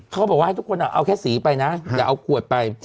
เขาบอกว่าให้ทุกคนเอาแค่สีไปนะอย่าเอาขวดไป